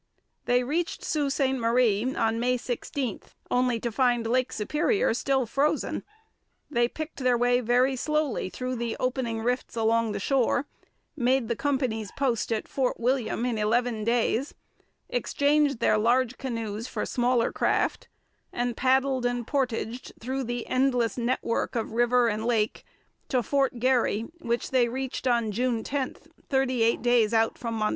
They reached Sault Ste Marie on May 16, only to find Lake Superior still frozen. They picked their way very slowly through the opening rifts along the shore, made the Company's post at Fort William in eleven days, exchanged their large canoes for smaller craft, and paddled and portaged through the endless network of river and lake to Fort Garry, which they reached on June 10, thirty eight days out from Montreal.